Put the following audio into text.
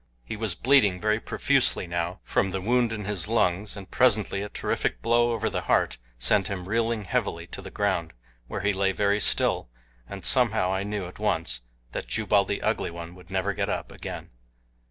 He was bleeding very profusely now from the wound in his lungs, and presently a terrific blow over the heart sent him reeling heavily to the ground, where he lay very still, and somehow I knew at once that Jubal the Ugly One would never get up again.